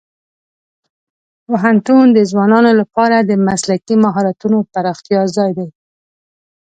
پوهنتون د ځوانانو لپاره د مسلکي مهارتونو پراختیا ځای دی.